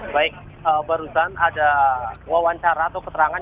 baik barusan ada wawancara atau keterangan